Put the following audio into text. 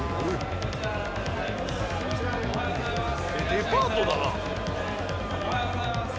デパートだな。